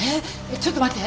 ちょっと待って。